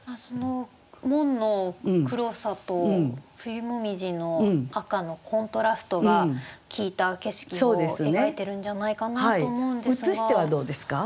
門の黒さと冬紅葉の赤のコントラストが効いた景色を描いてるんじゃないかなと思うんですが。